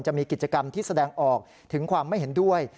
จะมีกิจกรรมที่แสดงออกถึงความไม่เห็นด้วย